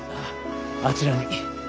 あちらに。